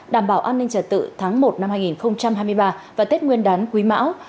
đảm bảo an ninh trả tự tháng một năm hai nghìn hai mươi ba và tết nguyên đán quý mão